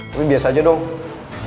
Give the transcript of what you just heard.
tapi biasa aja dong